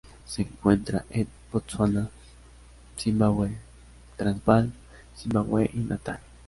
Se encuentra en Botsuana, Zimbabue, Transvaal, Zimbabue y Natal.